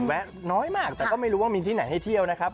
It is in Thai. แวะน้อยมากแต่ก็ไม่รู้ว่ามีที่ไหนให้เที่ยวนะครับ